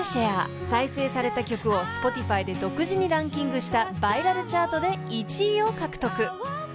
［再生された曲をＳｐｏｔｉｆｙで独自にランキングしたバイラルチャートで１位を獲得］